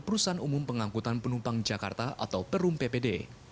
perusahaan umum pengangkutan penumpang jakarta atau perum ppd